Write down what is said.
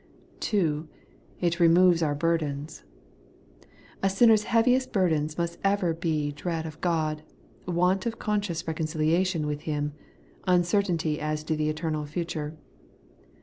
2. It removes our burdens, A sinner's heaviest burdens must ever be dread of God, want of con scious reconciliation with Him, uncertainty as to the eternal future.